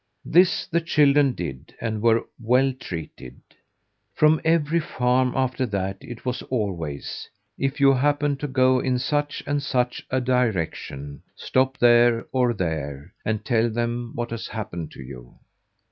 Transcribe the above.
This the children did and were well treated. From every farm after that it was always: "If you happen to go in such and such a direction, stop there or there and tell them what has happened to you."